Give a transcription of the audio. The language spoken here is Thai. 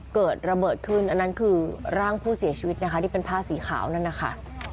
เกิดระเบิดขึ้นอันนั้นคือร่างผู้เสียชีวิตนะคะที่เป็นผ้าสีขาวนั่นนะคะ